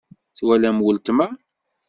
Twalam weltma?